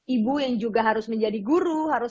ibu yang juga harus menjadi guru harus